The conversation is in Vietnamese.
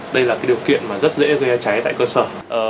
đây là điều kiện mà rất dễ gây cháy tại cơ sở